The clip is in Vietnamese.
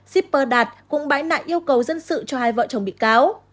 shipper đạt cũng bãi nại yêu cầu dân sự cho hai vợ chồng bị cáo